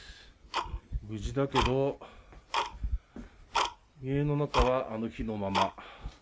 無事だけど、家の中はあの日のまま。